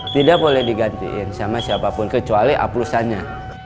tidak boleh digantiin sama siapa pun kecuali aplusannya